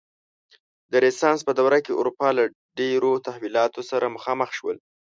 د رنسانس په دوره کې اروپا له ډېرو تحولاتو سره مخامخ شول.